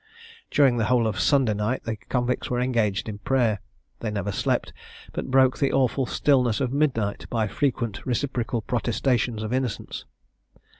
During the whole of Sunday night the convicts were engaged in prayer. They never slept, but broke the awful stillness of midnight by frequent reciprocal protestations of innocence.